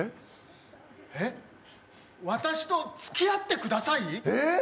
え、私とつきあってください？